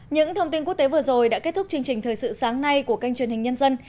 những thông tin quốc tế vừa rồi đã kết thúc chương trình thời sự sáng nay của kênh truyền hình nhân dân